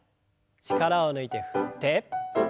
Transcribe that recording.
力を抜いて振って。